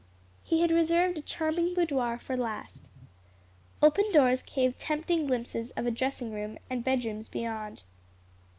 He had reserved a charming boudoir for the last. Open doors gave tempting glimpses of dressing and bedrooms beyond.